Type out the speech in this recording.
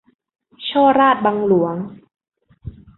ฉ้อราษฎร์บังหลวง